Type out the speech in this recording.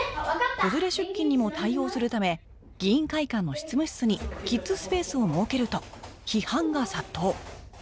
子連れ出勤にも対応するため議員会館の執務室にキッズスペースを設けると批判が殺到